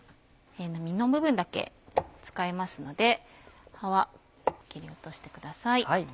実の部分だけ使いますので葉は切り落としてください。